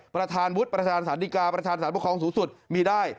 ประธานวุฒิประธานสารดีกาประธานสารปกครองสูงสุดมีได้